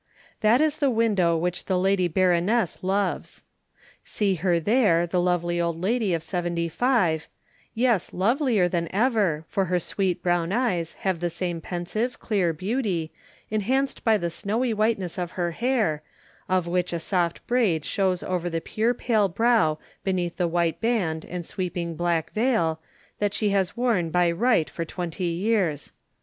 That is the window which the Lady Baroness loves. See her there, the lovely old lady of seventy five—yes, lovelier than ever, for her sweet brown eyes have the same pensive, clear beauty, enhanced by the snowy whiteness of her hair, of which a soft braid shows over the pure pale brow beneath the white band, and sweeping black veil, that she has worn by right for twenty years.